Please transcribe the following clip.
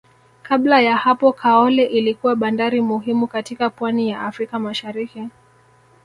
Kabla ya hapo Kaole ilikuwa bandari muhimu katika pwani ya Afrika Mashariki